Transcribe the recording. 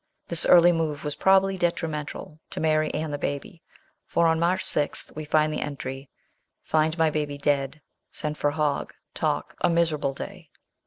This early move was probably detri mental to Mary and the baby, for on March 6 we find the entry :" Find my baby dead. Send for Hogg. Talk. A miserable day."